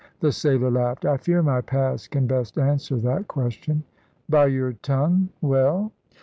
The sailor laughed. "I fear my past can best answer that question." "By your tongue? Well?"